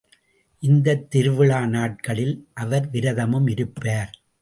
இந்தத் திருவிழா நாட்களில் அவர் விரதமும் இருப்பார்.